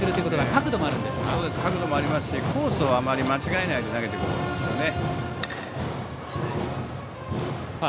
角度もありますしコースをあまり間違えないで投げてきますからね。